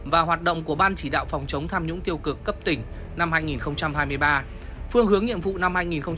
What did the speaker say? và hoạt động của ban chỉ đạo phòng chống tham nhũng tiêu cực cấp tỉnh năm hai nghìn hai mươi ba phương hướng nhiệm vụ năm hai nghìn hai mươi năm